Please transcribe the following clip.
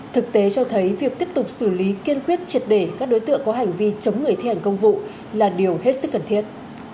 thực tế cho thấy việc tiếp tục xử lý kiên quyết triệt để các đối tượng có hành vi chống người thi hành công vụ là điều hết sức cần thiết